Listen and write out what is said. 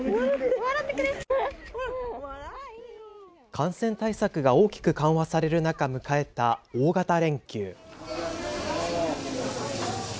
感染対策が大きく緩和される中、迎えた大型連休。